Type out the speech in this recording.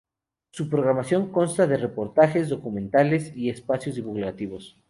Su programación consta de reportajes, documentales y espacios divulgativos.